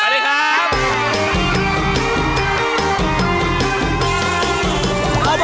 อยากชมแล้ว